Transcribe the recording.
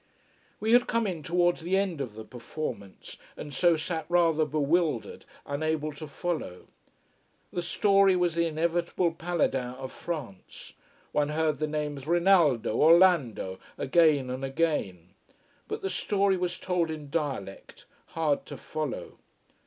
We had come in towards the end of the performance, and so sat rather bewildered, unable to follow. The story was the inevitable Paladins of France one heard the names Rinaldo! Orlando! again and again. But the story was told in dialect, hard to follow.